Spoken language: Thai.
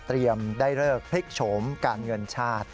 ได้เลิกพลิกโฉมการเงินชาติ